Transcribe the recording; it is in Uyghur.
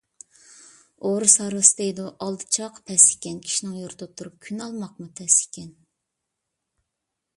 ئۇرۇس ھارۋىسى دەيدۇ ئالدى چاقى پەس ئىكەن. كىشنىڭ يۇرتىدا تۈرۈپ كۈن ئالماقمۇ تەس ئىكەن .